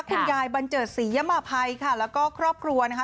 คุณยายบัญเจิดศรียะมพัยค่ะแล้วก็ครอบครัวนะคะ